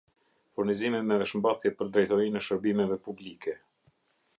Furnizimi me veshmbathje për drejtorinë e shërbimeve publike